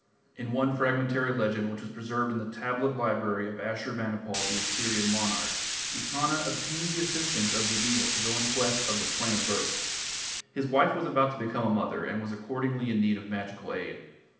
In one fragmentary legend which was preserved in the tablet library of Ashur banipal, the Assyrian monarch, Etana obtained the assistance of the Eagle to go in quest of the Plant of Birth. His wife was about to become a mother, and was accordingly in need of magical aid.